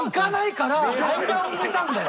間を入れたんだよ。